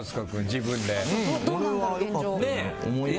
自分で。